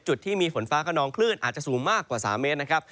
จุดที่มีฝนฟ้าขนองคลื่นอาจจะสูงมากกว่า๓เมตรนะครับ